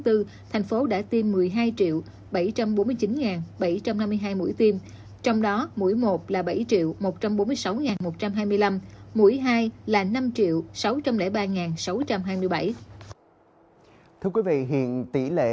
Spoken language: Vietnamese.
thành phố đã tiêm một mươi hai bảy trăm bốn mươi chín bảy trăm năm mươi hai mũi tiêm trong đó mũi một là bảy một trăm bốn mươi sáu một trăm hai mươi năm mũi hai là năm sáu trăm linh ba sáu trăm hai mươi bảy tỷ lệ